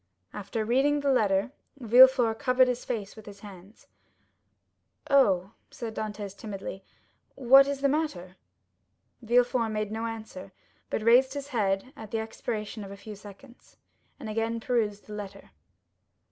After reading the letter, Villefort covered his face with his hands. "Oh," said Dantès timidly, "what is the matter?" Villefort made no answer, but raised his head at the expiration of a few seconds, and again perused the letter.